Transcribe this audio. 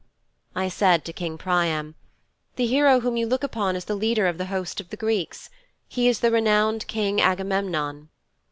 "' 'I said to King Priam. "The hero whom you look upon is the leader of the host of the Greeks. He is the renowned King Agamemnon."'